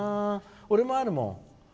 俺もあるもん。